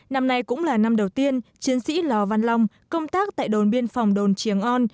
năm nay cũng là năm đầu tiên chiến sĩ lò văn long công tác tại đồn biên phòng đồn triềng on